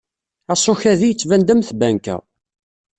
Aṣuk-ahi yettban-d am tbanka.